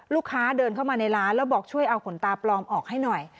ลูกค้าเดินเข้ามาในร้านแล้วบอกช่วยเอาขนตาปลอมออกให้หน่อย